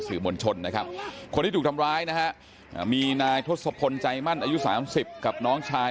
สื่อมชนได้ครับคนที่ถูกทำร้ายมีนายทดสพรจายมั่นอายุ๓๐กับน้องชาย